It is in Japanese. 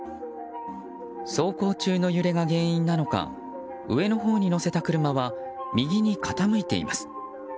走行中の揺れが原因なのか上のほうに載せた車は右に傾いています。